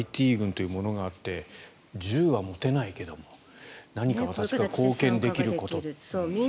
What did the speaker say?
ＩＴ軍というものがあって銃は持てないけども何か私が貢献できることっていう。